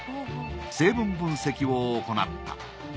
成分分析を行った。